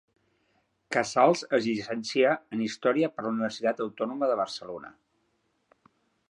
Casals es llicencià en Història per la Universitat Autònoma de Barcelona.